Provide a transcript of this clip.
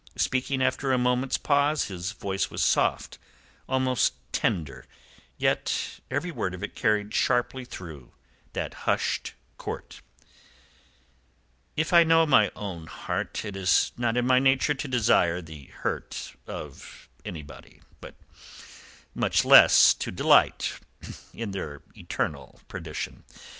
Speaking after a moment's pause, his voice was soft, almost tender, yet every word of it carried sharply through that hushed court. "If I know my own heart it is not in my nature to desire the hurt of anybody, much less to delight in his eternal perdition.